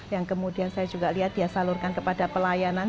yang kemudian saya juga lihat dia salurkan kepada pelayanan